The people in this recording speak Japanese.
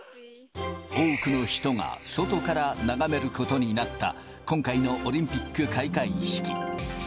多くの人が外から眺めることになった、今回のオリンピック開会式。